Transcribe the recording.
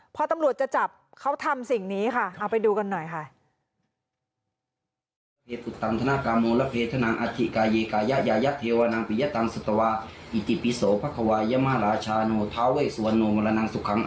พอตำรวจจะจับเขาทำสิ่งนี้ค่ะเอาไปดูกันหน่อยค่ะ